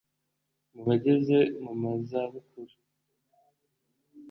mu bageze mu zabukuru,